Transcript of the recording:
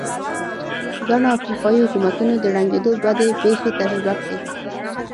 ګڼو افریقايي حکومتونو د ړنګېدو بدې پېښې تجربه کړې.